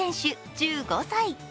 １５歳。